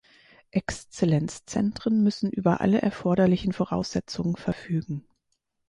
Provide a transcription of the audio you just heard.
Exzellenzzentren müssen über alle erforderlichen Voraussetzungen verfügen.